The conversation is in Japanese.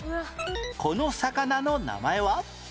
この魚の名前は？